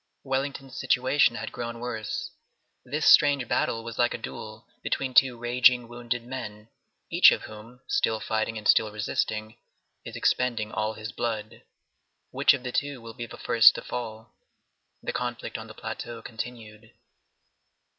Wellington's situation had grown worse. This strange battle was like a duel between two raging, wounded men, each of whom, still fighting and still resisting, is expending all his blood. Which of the two will be the first to fall? The conflict on the plateau continued.